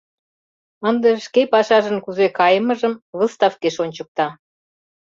Ынде шке пашажын кузе кайымыжым выставкеш ончыкта.